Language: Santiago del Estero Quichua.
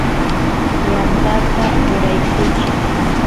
yantata uraykuchiy